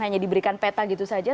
hanya diberikan peta gitu saja